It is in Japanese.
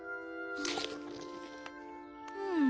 うん。